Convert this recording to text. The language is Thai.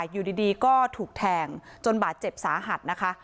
อยู่ดีก็ถูกแทงจนบาดเจ็บสาหัสนะคะ